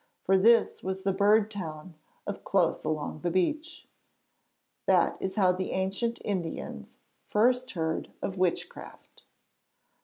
For this was the bird town of Close along the beach. That is how the ancient Indians first heard of witchcraft.